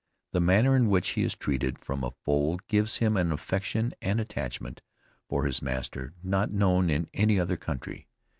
The manner in which he is treated from a foal gives him an affection and attachment for his master not known in any other country.